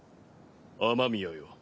雨宮よ